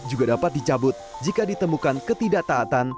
juga dapat dicabut jika ditemukan ketidaktaatan